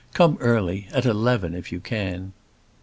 Come early, at eleven, if you can."